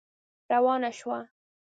روانه شوه.